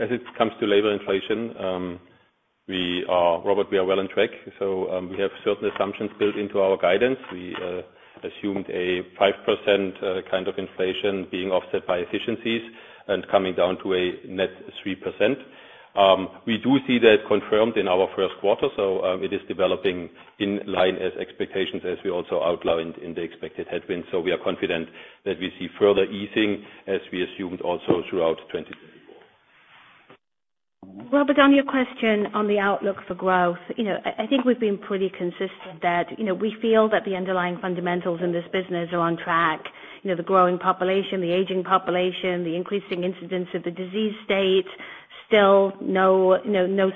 As it comes to labor inflation, We are, Robert, we are well on track, so we have certain assumptions built into our guidance. We assumed a 5% kind of inflation being offset by efficiencies and coming down to a net 3%. We do see that confirmed in our first quarter, so it is developing in line as expectations as we also outlined in the expected headwinds. We are confident that we see further easing, as we assumed also throughout 2024. Robert, on your question on the outlook for growth, you know, I think we've been pretty consistent that, you know, we feel that the underlying fundamentals in this business are on track. You know, the growing population, the aging population, the increasing incidence of the disease state, still no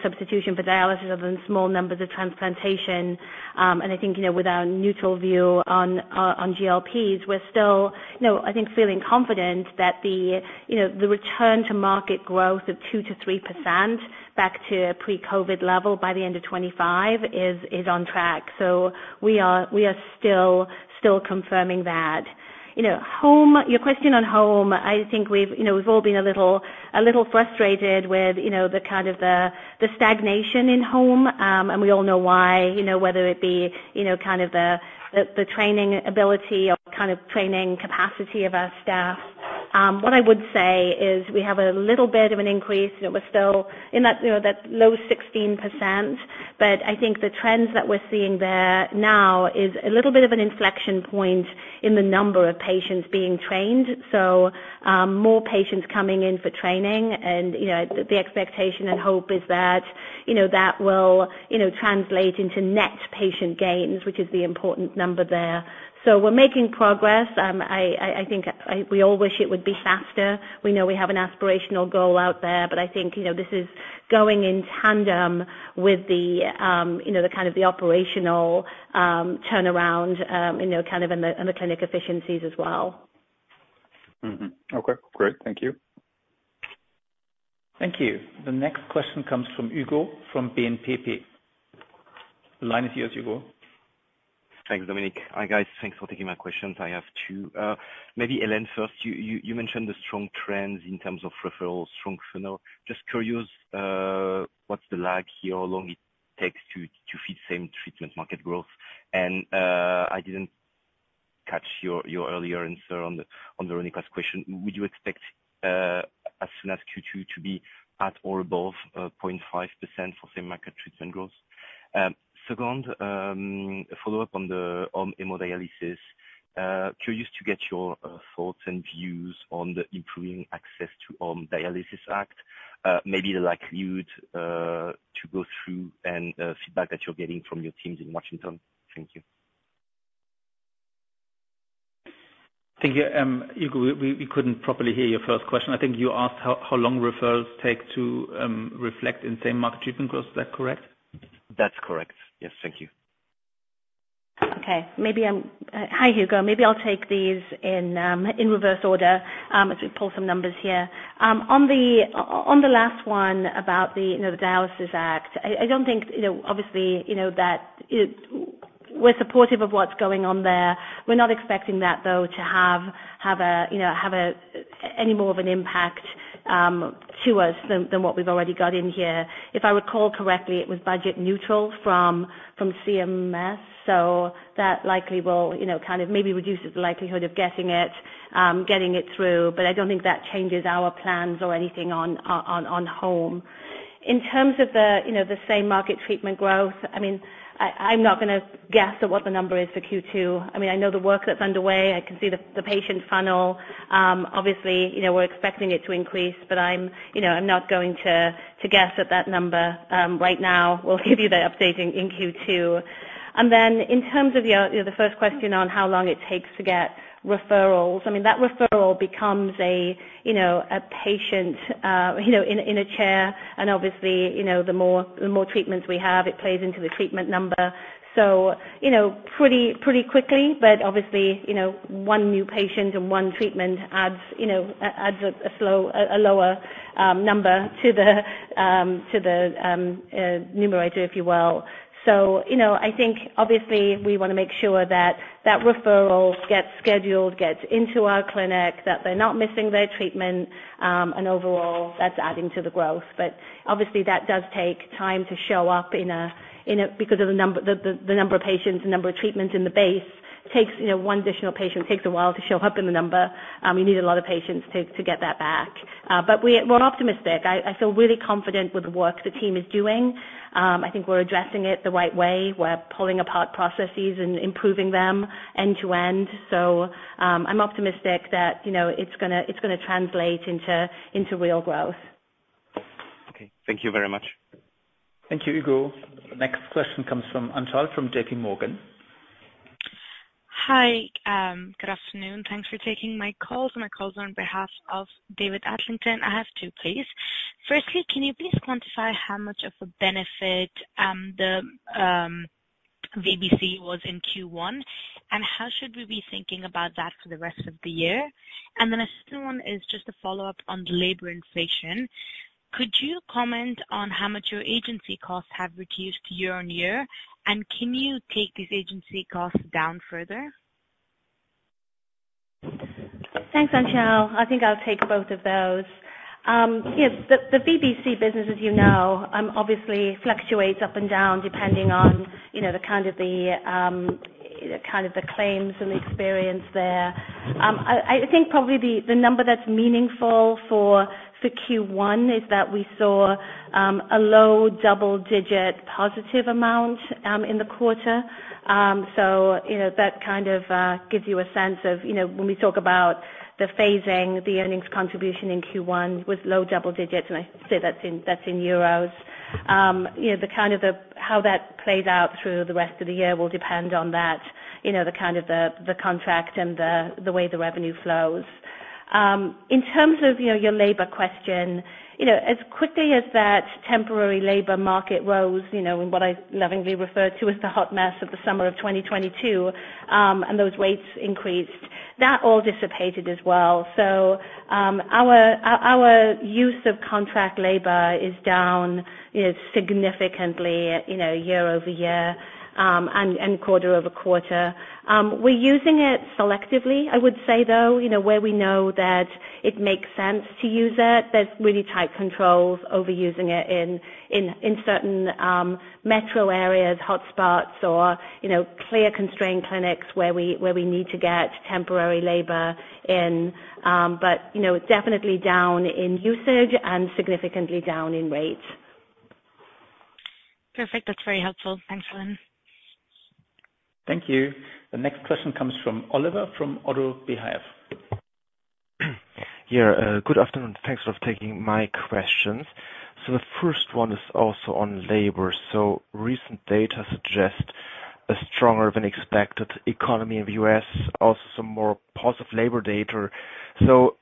substitution for dialysis other than small numbers of transplantation. And I think, you know, with our neutral view on GLPs, we're still, you know, I think feeling confident that the, you know, the return to market growth of 2%-3% back to pre-COVID level by the end of 2025 is on track. So we are still confirming that. You know, home. Your question on home, I think we've, you know, we've all been a little frustrated with, you know, the kind of the stagnation in home. And we all know why, you know, kind of the training ability or kind of training capacity of our staff. What I would say is we have a little bit of an increase, and we're still in that, you know, that low 16%. But I think the trends that we're seeing there now is a little bit of an inflection point in the number of patients being trained. So, more patients coming in for training and, you know, the expectation and hope is that, you know, that will, you know, translate into net patient gains, which is the important number there. So we're making progress. I think we all wish it would be faster. We know we have an aspirational goal out there, but I think, you know, this is going in tandem with the, you know, the kind of the operational, turnaround, you know, kind of in the, in the clinic efficiencies as well. Mm-hmm. Okay, great. Thank you. Thank you. The next question comes from Hugo, from BNPP. The line is yours, Hugo. Thanks, Dominik. Hi, guys. Thanks for taking my questions. I have two. Maybe, Helen, first, you mentioned the strong trends in terms of referrals, strong funnel. Just curious, what's the lag here, how long it takes to feed same treatment market growth? And, I didn't catch your earlier answer on the previous question. Would you expect, as soon as Q2 to be at or above 0.5% for same market treatment growth? Second, a follow-up on hemodialysis. Curious to get your thoughts and views on the Improving Access to Home Dialysis Act. Maybe the likelihood to go through and feedback that you're getting from your teams in Washington. Thank you. Thank you. Hugo, we couldn't properly hear your first question. I think you asked how long referrals take to reflect in same market treatment growth. Is that correct? That's correct. Yes, thank you. Okay. Hi, Hugo. Maybe I'll take these in reverse order as we pull some numbers here. On the last one about the, you know, the Dialysis Act, I don't think, you know, obviously, you know, that we're supportive of what's going on there. We're not expecting that, though, to have, you know, have any more of an impact to us than what we've already got in here. If I recall correctly, it was budget neutral from CMS, so that likely will, you know, kind of maybe reduce the likelihood of getting it through. But I don't think that changes our plans or anything on home. In terms of, you know, the same market treatment growth, I mean, I'm not gonna guess at what the number is for Q2. I mean, I know the work that's underway. I can see the patient funnel. Obviously, you know, we're expecting it to increase, but I'm, you know, I'm not going to guess at that number right now. We'll give you the update in Q2. And then in terms of your first question on how long it takes to get referrals, I mean, that referral becomes a, you know, a patient you know in a chair, and obviously, you know, the more treatments we have, it plays into the treatment number. So, you know, pretty quickly, but obviously, you know, one new patient and one treatment adds, you know, a lower number to the numerator, if you will. So, you know, I think obviously we want to make sure that that referral gets scheduled, gets into our clinic, that they're not missing their treatment, and overall, that's adding to the growth. But obviously that does take time to show up in a because of the number of patients, the number of treatments in the base. It takes, you know, one additional patient takes a while to show up in the number. You need a lot of patients to get that back. But we are we're optimistic. I feel really confident with the work the team is doing. I think we're addressing it the right way. We're pulling apart processes and improving them end to end. I'm optimistic that, you know, it's gonna translate into real growth. Okay. Thank you very much. Thank you, Hugo. The next question comes from Anchal, from J.P. Morgan. Hi, good afternoon. Thanks for taking my call. My call is on behalf of David Adlington. I have two, please. Firstly, can you please quantify how much of a benefit the VBC was in Q1, and how should we be thinking about that for the rest of the year? And then the second one is just a follow-up on the labor inflation. Could you comment on how much your agency costs have reduced year-over-year, and can you take these agency costs down further? Thanks, Anchal. I think I'll take both of those. Yes, the VBC business, as you know, obviously fluctuates up and down, depending on, you know, the kind of the claims and the experience there. I think probably the number that's meaningful for Q1 is that we saw a low double-digit positive amount in the quarter. So, you know, that kind of gives you a sense of, you know, when we talk about the phasing, the earnings contribution in Q1 with low double digits, and I say that's in euros. You know, the kind of the, how that plays out through the rest of the year will depend on that, you know, the kind of the contract and the way the revenue flows. In terms of, you know, your labor question, you know, as quickly as that temporary labor market rose, you know, in what I lovingly refer to as the hot mess of the summer of 2022, and those rates increased, that all dissipated as well. So, our use of contract labor is down significantly, you know, year-over-year, and quarter-over-quarter. We're using it selectively, I would say, though, you know, where we know that it makes sense to use it. There's really tight controls over using it in certain metro areas, hotspots, or, you know, clear constrained clinics where we need to get temporary labor in. But, you know, definitely down in usage and significantly down in rates. Perfect. That's very helpful. Thanks, Helen. Thank you. The next question comes from Oliver, from ODDO BHF. Yeah, good afternoon. Thanks for taking my questions. So the first one is also on labor. So recent data suggest a stronger than expected economy in the U.S., also some more positive labor data. So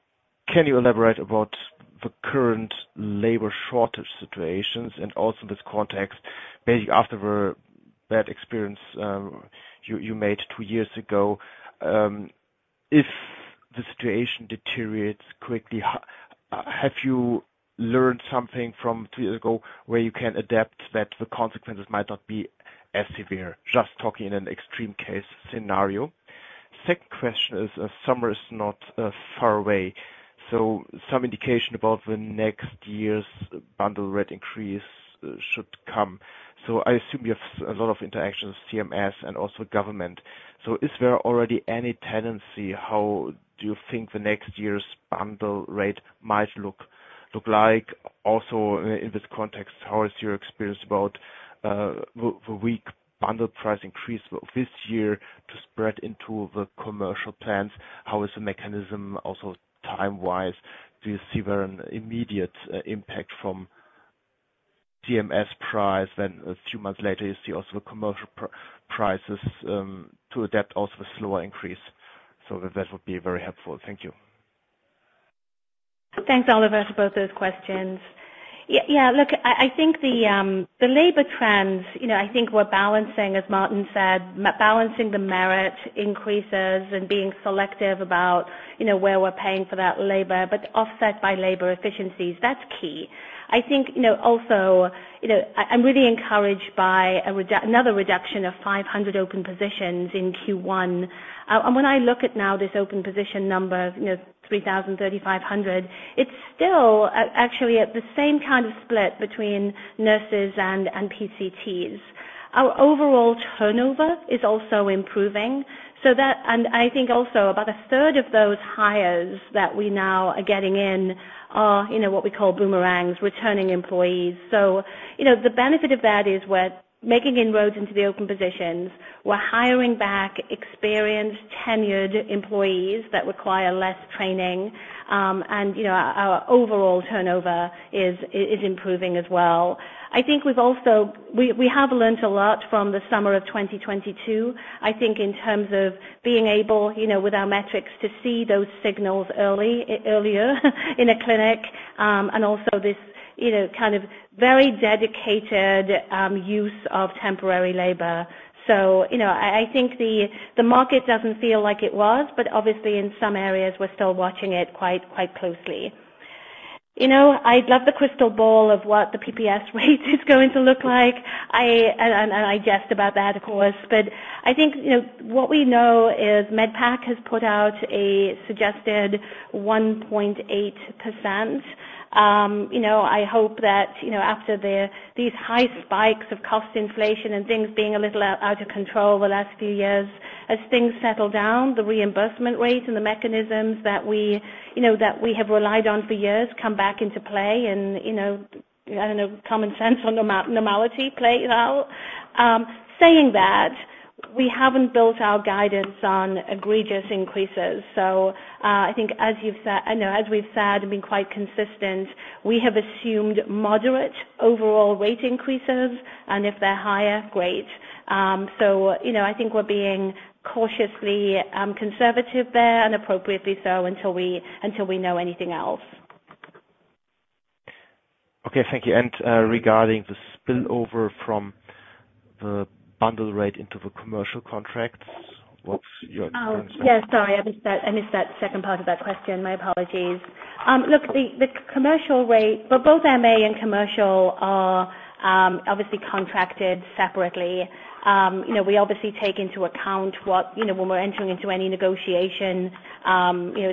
can you elaborate about the current labor shortage situations and also this context, maybe after the bad experience, you, you made two years ago, if the situation deteriorates quickly, have you learned something from two years ago where you can adapt that the consequences might not be as severe? Just talking in an extreme case scenario. Second question is, summer is not far away, so some indication about the next year's bundle rate increase should come. So I assume you have a lot of interactions, CMS and also government. So is there already any tendency, how do you think the next year's bundle rate might look, look like? Also, in this context, how is your experience about the weak bundle price increase this year to spread into the commercial plans? How is the mechanism also time-wise? Do you see where an immediate impact from CMS price, then a few months later, you see also commercial prices to adapt also a slower increase? So that would be very helpful. Thank you. Thanks, Oliver, for both those questions. Yeah, look, I think the labor trends, you know, I think we're balancing, as Martin said, balancing the merit increases and being selective about, you know, where we're paying for that labor, but offset by labor efficiencies. That's key. I think, you know, also, you know, I, I'm really encouraged by another reduction of 500 open positions in Q1. And when I look at now this open position number of, you know, 3,000-3,500, it's still actually at the same kind of split between nurses and PCTs. Our overall turnover is also improving, so that. And I think also about a third of those hires that we now are getting in are, you know, what we call boomerangs, returning employees. So, you know, the benefit of that is we're making inroads into the open positions. We're hiring back experienced, tenured employees that require less training. And, you know, our overall turnover is improving as well. I think we've also learned a lot from the summer of 2022, I think, in terms of being able, you know, with our metrics, to see those signals early, earlier, in a clinic, and also this, you know, kind of very dedicated use of temporary labor. So, you know, I think the market doesn't feel like it was, but obviously in some areas we're still watching it quite closely. You know, I'd love the crystal ball of what the PPS rate is going to look like. I jest about that, of course, but I think, you know, what we know is MedPAC has put out a suggested 1.8%. You know, I hope that, you know, after these high spikes of cost inflation and things being a little out of control over the last few years, as things settle down, the reimbursement rates and the mechanisms that we, you know, that we have relied on for years come back into play and, you know, I don't know, common sense or normality plays out. Saying that, we haven't built our guidance on egregious increases. So, I think as you've said, I know, as we've said, and been quite consistent, we have assumed moderate overall rate increases, and if they're higher, great. So, you know, I think we're being cautiously conservative there, and appropriately so until we know anything else. Okay, thank you. Regarding the spillover from the bundle rate into the commercial contracts, what's your. Oh, yeah, sorry, I missed that, I missed that second part of that question. My apologies. Look, the commercial rate, well, both MA and commercial are obviously contracted separately. You know, we obviously take into account what, you know, when we're entering into any negotiation, you know,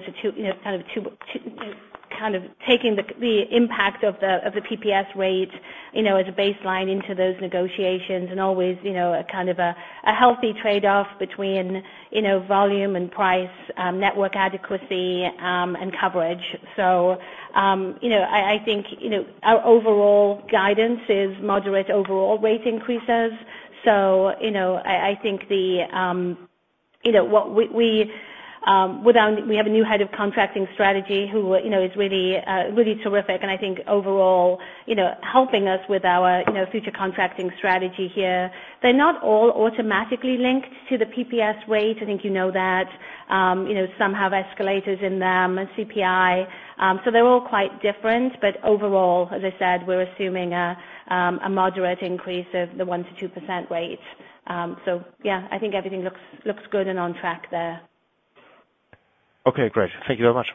to kind of taking the impact of the PPS rate, you know, as a baseline into those negotiations and always, you know, a kind of a healthy trade-off between, you know, volume and price, network adequacy, and coverage. So, you know, I think, you know, our overall guidance is moderate overall rate increases. So, you know, I think the, you know, what we with our, we have a new head of contracting strategy who, you know, is really, really terrific, and I think overall, you know, helping us with our, you know, future contracting strategy here. They're not all automatically linked to the PPS rate. I think you know that. You know, some have escalators in them and CPI. So they're all quite different, but overall, as I said, we're assuming a moderate increase of the 1%-2% rate. So yeah, I think everything looks good and on track there. Okay, great. Thank you very much.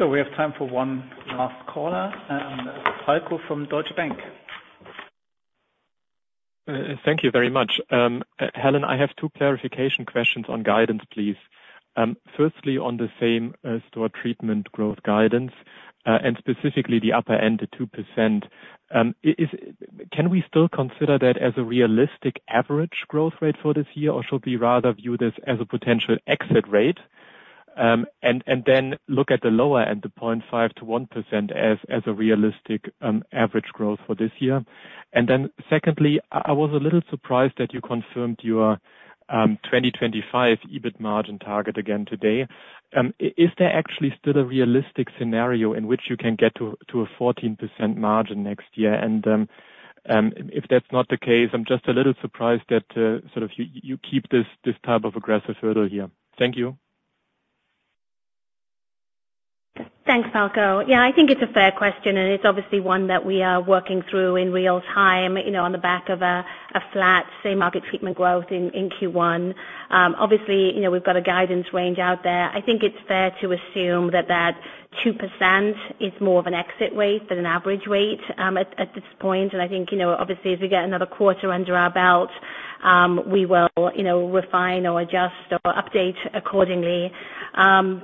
We have time for one last caller, Falko from Deutsche Bank. Thank you very much. Helen, I have two clarification questions on guidance, please. Firstly, on the same-store treatment growth guidance, and specifically the upper end, the 2%. Can we still consider that as a realistic average growth rate for this year, or should we rather view this as a potential exit rate? And then look at the lower end, the 0.5%-1%, as a realistic average growth for this year. And then secondly, I was a little surprised that you confirmed your 2025 EBIT margin target again today. Is there actually still a realistic scenario in which you can get to a 14% margin next year? If that's not the case, I'm just a little surprised that sort of you keep this type of aggressive hurdle here. Thank you. Thanks, Falko. Yeah, I think it's a fair question, and it's obviously one that we are working through in real time, you know, on the back of a flat same market treatment growth in Q1. Obviously, you know, we've got a guidance range out there. I think it's fair to assume that that 2% is more of an exit rate than an average rate, at this point. And I think, you know, obviously, as we get another quarter under our belt, we will, you know, refine or adjust or update accordingly. You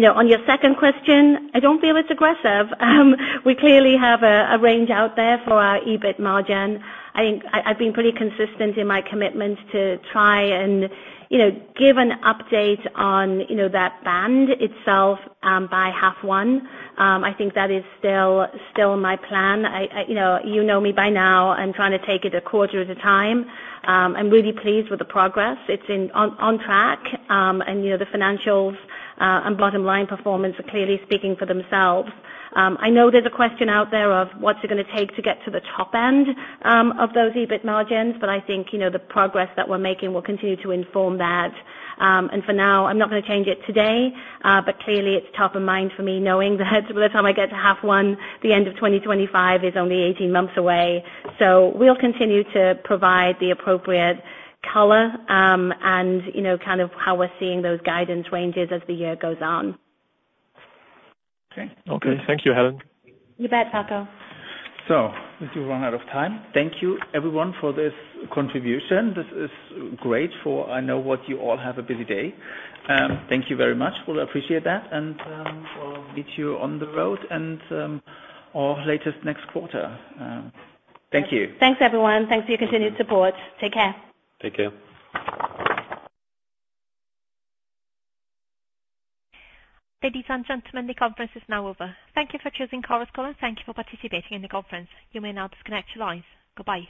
know, on your second question, I don't feel it's aggressive. We clearly have a range out there for our EBIT margin. I think I've been pretty consistent in my commitment to try and, you know, give an update on, you know, that band itself, by half one. I think that is still my plan. You know me by now, I'm trying to take it a quarter at a time. I'm really pleased with the progress. It's on track. And, you know, the financials and bottom line performance are clearly speaking for themselves. I know there's a question out there of what's it gonna take to get to the top end of those EBIT margins, but I think, you know, the progress that we're making will continue to inform that. For now, I'm not gonna change it today, but clearly, it's top of mind for me, knowing that by the time I get to half one, the end of 2025 is only 18 months away. So we'll continue to provide the appropriate color, and, you know, kind of how we're seeing those guidance ranges as the year goes on. Okay. Thank you, Helen. You bet, Falko. So we do run out of time. Thank you, everyone, for this contribution. This is great for I know what you all have a busy day. Thank you very much. Well, I appreciate that, and we'll meet you on the road and or latest next quarter. Thank you. Thanks, everyone. Thanks for your continued support. Take care. Take care. Ladies and gentlemen, the conference is now over. Thank you for choosing Chorus Call, and thank you for participating in the conference. You may now disconnect your lines. Goodbye.